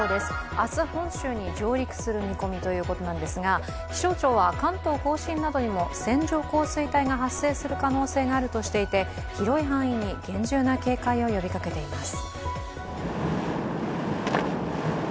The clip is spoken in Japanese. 明日本州に上陸する見込みですが気象庁は関東甲信などにも線状降水帯が発生する可能性があるとしていて広い範囲に厳重な警戒を呼びかけています。